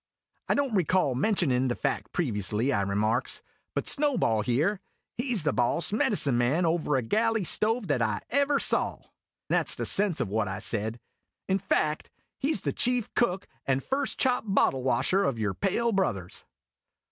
" I don't recall mentionin' the fact previously," I remarks, " but Snowball here he V the boss medicine man over a galley stove that I ever saw" (that 's the sense of what I said) "in fact, he 's the chief cook and first chop bottle washer of your pale brothers